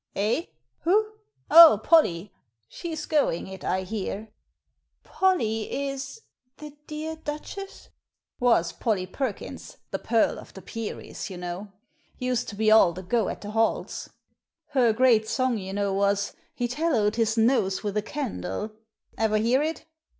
" "Eh? Who? Oh, Polly! She's going it, I hear." " Polly is — the dear Duchess ?"" Was Polly Perkins, the Pearl of the Peris, you know ; used to be all the go at the halls. Her great song, you know, was * He tallowed his nose with a candle.' Ever hear it?